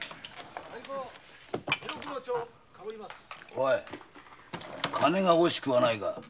おい金が欲しくはないか？